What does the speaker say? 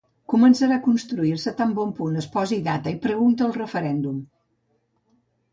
Començarà a construir-se tan bon punt es posi data i pregunta al referèndum.